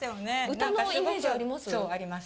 歌のイメージあります？